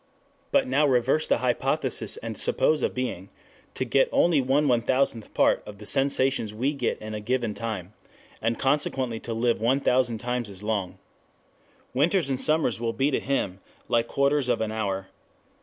But now reverse the hypothesis and suppose a being to get only one 1000th part of the sensations we get in a given time, and consequently to live 1000 times as long. Winters and summers will be to him like quarters of an hour.